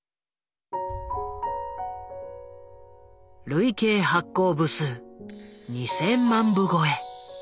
累計発行部数２，０００万部超え。